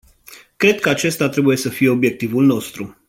Cred că acesta trebuie să fie obiectivul nostru.